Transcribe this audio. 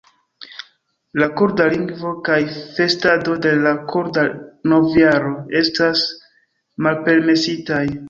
La kurda lingvo kaj festado de la kurda novjaro estas malpermesitaj.